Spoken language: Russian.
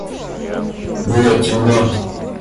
Было темно.